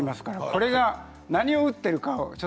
これは何を打っているか。